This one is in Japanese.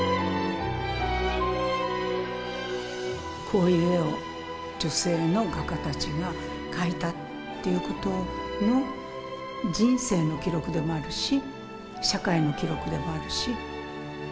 こういう絵を女性の画家たちが描いたっていうことの人生の記録でもあるし社会の記録でもあるし。